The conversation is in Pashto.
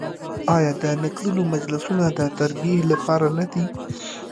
آیا د نکلونو مجلسونه د تربیې لپاره نه دي؟